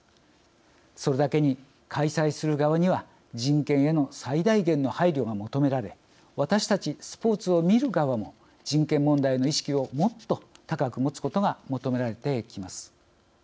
それだけに開催する側には人権への最大限の配慮が求められ私たちスポーツを見る側も人権問題への意識をもっと高く持つことが求められてきます。